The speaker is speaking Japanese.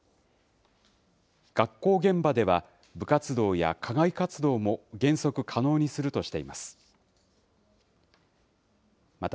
学校現場では、部活動や課外活動も原則可能にするとしています。